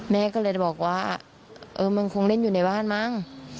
แม่ก็เลยบอกว่าเออมึงคงเล่นอยู่ในบ้านมั้ง